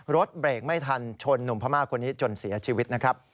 รถเบรกไม่ทันชนนุมพมห์คนนี้จนเสียชีวิต